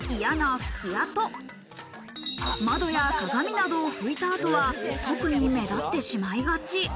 窓や鏡などを拭いた後は特に目立ってしまいがち。